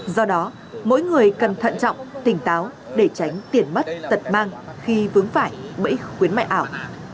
do đó mỗi người cần thận trọng tỉnh táo để tránh tiền mất tật mang khi vướng phải bẫy khuyến mại ảo